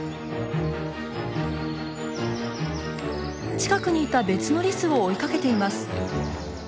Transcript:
近くにいた別のリスを追いかけています。